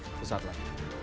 sampai saat lain